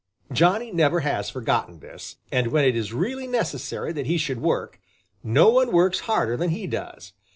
Johnny never has forgotten this, and when it is really necessary that he should work, no one works harder than he does.